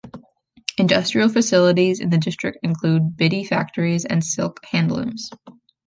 Industrial facilities in the district include bidi factories and silk handlooms.